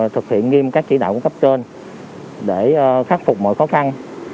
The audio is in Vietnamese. thực hiện nghiêm các chỉ đạo của cấp trên để khắc phục mọi khó khăn